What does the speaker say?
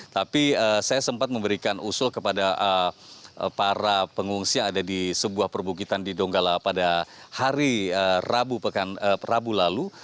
tapi saya sempat memberikan usul kepada para pengungsi yang ada di sebuah perbukitan di donggala pada hari rabu lalu